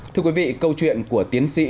thưa quý vị câu chuyện của tiến sĩ